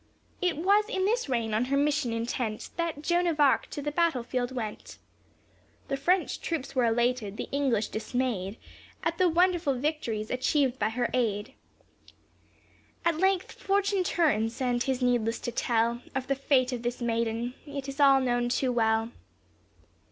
It was in this reign on her mission intent, That Joan of Arc to the battle field went: The French troops were elated, the English dismayed At the wonderful victories achieved by her aid; At length fortune turns, and 'tis needless to tell Of the fate of this maiden it is all known too well.